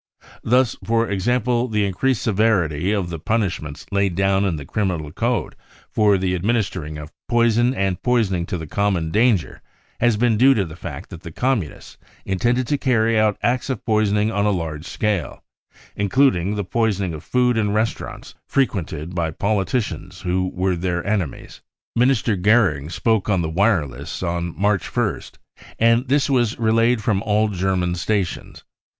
Thus, for example, the in creased severity of the punishments laid down in the Criminal Code for the administering of poison and poisoning to the common danger has been due to the fact that the Communists intended to carry out acts of poisoning on a large scale, including the poisoning of food in restaurants frequented by politicians who were their enemies. 5 * t Minister Goering spoke on the wireless on March ist, and this was relayed from all German stations.